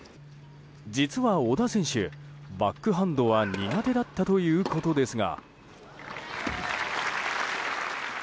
実は小田選手、バックハンドは苦手だったということですが。